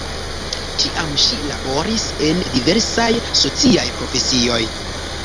Tiam ŝi laboris en diversaj sociaj profesioj.